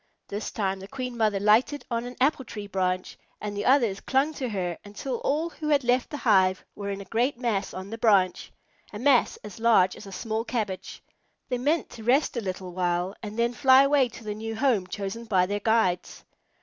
This time the Queen Mother lighted on an apple tree branch, and the others clung to her until all who had left the hive were in a great mass on the branch, a mass as large as a small cabbage. They meant to rest a little while and then fly away to the new home chosen by their guides.